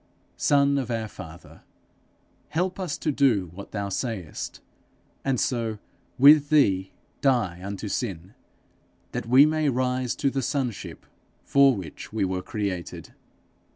Son of our Father, help us to do what thou sayest, and so with thee die unto sin, that we may rise to the sonship for which we were created.